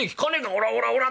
おらおらおら